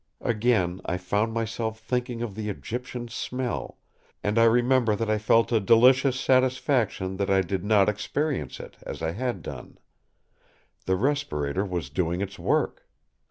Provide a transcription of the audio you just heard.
Again I found myself thinking of the Egyptian smell; and I remember that I felt a delicious satisfaction that I did not experience it as I had done. The respirator was doing its work.